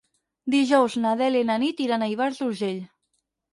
Dijous na Dèlia i na Nit iran a Ivars d'Urgell.